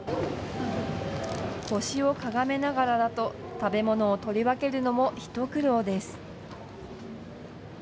腰をかがめながらだと、食べ物を取り分けるのも一苦労です。